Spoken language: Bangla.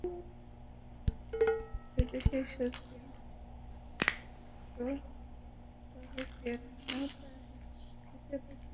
যদি সে সত্যি ময়ূরটা মারত, তবে কেন তার ক্ষেতে পুঁতে দিত?